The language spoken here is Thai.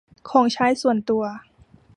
ของใช้ส่วนตัว